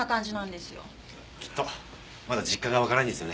きっとまだ実感が湧かないんですよね。